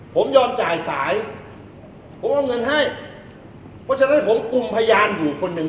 ผมยอมจ่ายสายผมเอาเงินให้ก็จะได้ผมอุ่มพญานอยู่คนหนึ่ง